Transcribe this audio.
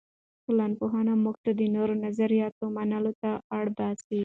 ټولنپوهنه موږ ته د نورو نظریاتو منلو ته اړ باسي.